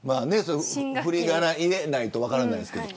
振り仮名入れないと分からないですね。